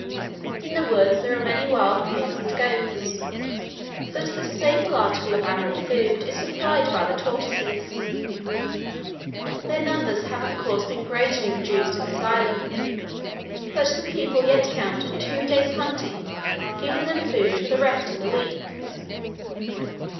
In the woods there are many wild pigs and goats; but the staple article of animal food is supplied by the tortoises. Their numbers have of course been greatly reduced in this island, but the people yet count on two days' hunting giving them food for the rest of the week.